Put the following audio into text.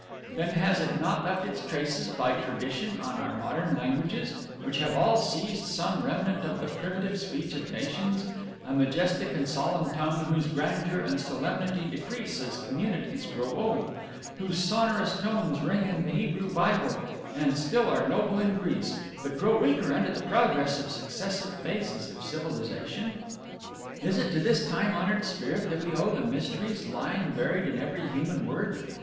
Then has it not left its traces by tradition on our modern languages, which have all seized some remnant of the primitive speech of nations, a majestic and solemn tongue whose grandeur and solemnity decrease as communities grow old; whose sonorous tones ring in the Hebrew Bible, and still are noble in Greece, but grow weaker under the progress of successive phases of civilization? "Is it to this time honored spirit that we owe the mysteries lying buried in every human word?